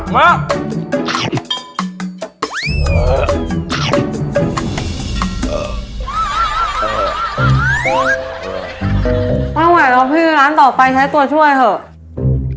ไม่ไหวแล้วพี่ร้านต่อไปใช้ตัวช่วยเถอะ